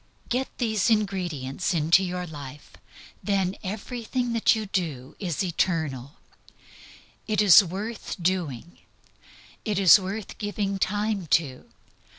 Get these ingredients into your life. Then everything that you do is eternal. It is worth doing. It is worth giving time to.